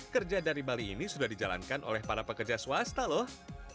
kerja dari bali ini sudah dijalankan oleh para pekerja swasta loh